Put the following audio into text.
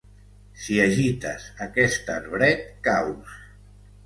Si agites aquest arbret, caus.